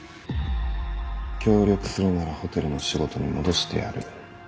協力するならホテルの仕事に戻してやる。